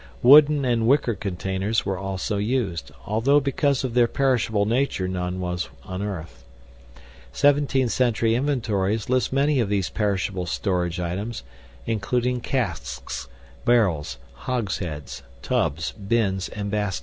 Wooden and wicker containers were also used, although because of their perishable nature none was unearthed. Seventeenth century inventories list many of these perishable storage items, including casks, barrels, hogsheads, tubs, bins, and baskets.